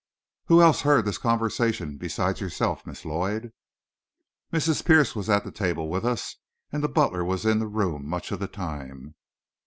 "Who else heard this conversation, besides yourself, Miss Lloyd?" "Mrs. Pierce was at the table with us, and the butler was in the room much of the time."